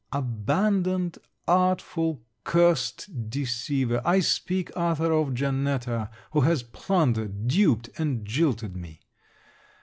Abandoned, artful, cursed deceiver! I speak, Arthur, of Janetta, who has plundered, duped, and jilted me.